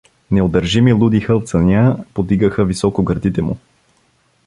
Неудържими, луди хълцания подигаха високо гърдите му.